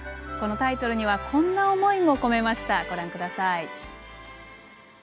このタイトルにはこんな思いも込めました。